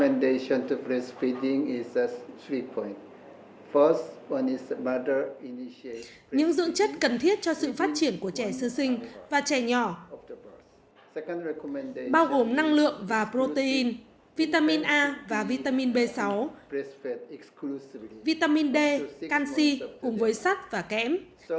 những dưỡng chất cần thiết cho sự phát triển của trẻ sư sinh và trẻ nhỏ bao gồm năng lượng và protein vitamin a và vitamin b sáu vitamin d canxi cùng với sắt và kẽm